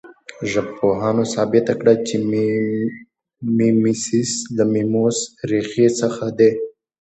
ژبپوهانو ثابته کړې چې میمیسیس له میموس ریښې څخه دی